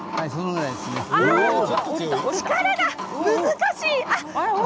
力が難しい。